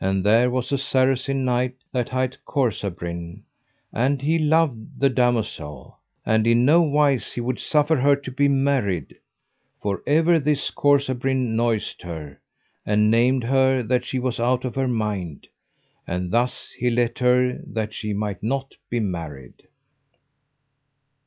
And there was a Saracen knight that hight Corsabrin, and he loved the damosel, and in no wise he would suffer her to be married; for ever this Corsabrin noised her, and named her that she was out of her mind; and thus he let her that she might not be married.